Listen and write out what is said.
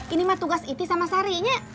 ini mah tugas iti sama sari